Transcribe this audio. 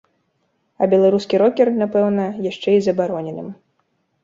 А беларускі рокер, напэўна, яшчэ і забароненым.